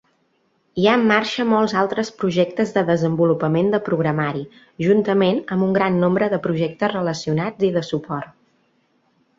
Hi ha en marxa molts altres projectes de desenvolupament de programari, juntament amb un gran nombre de projectes relacionats i de suport.